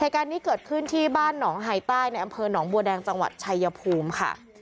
เหตุการณ์นี้เกิดขึ้นที่บ้านหนองหายใต้ในอำเภอหนองบัวแดงจังหวัดชายภูมิค่ะ